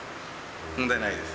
問題ないです。